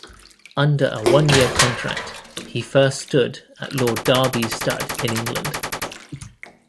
Under a one-year contract, he first stood at Lord Derby's stud in England.